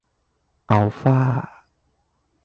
อัลฟ่า